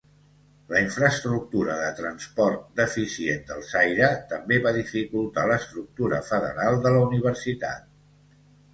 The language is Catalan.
La infraestructura de transport deficient del Zaire també va dificultar l'estructura federal de la universitat.